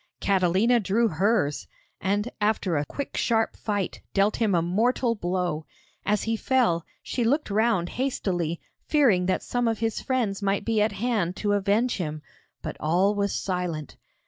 Catalina drew hers, and, after a quick sharp fight, dealt him a mortal blow. As he fell, she looked round hastily, fearing that some of his friends might be at hand to avenge him, but all was silent.